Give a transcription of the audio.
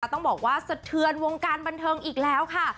ต้องบอกว่าสะเทือนวงการบันเทิงอีกแล้วค่ะ